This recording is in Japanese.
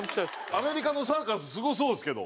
アメリカのサーカスすごそうですけど。